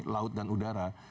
laut dan udara